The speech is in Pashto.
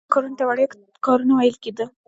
دې ټولو کارونو ته وړیا کارونه ویل کیده.